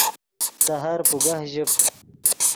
سحر پوگہ ژیب